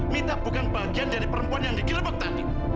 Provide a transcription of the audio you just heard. mita bukan bagian dari perempuan yang digelembuk tadi